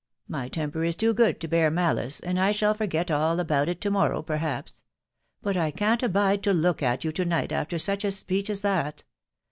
My temper it to good to bear maliee, and I shall forget all about it teamen uw perhaps ; but I can't abide to look at yon to night siter east a speech as that